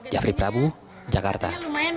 jafri prabu jakarta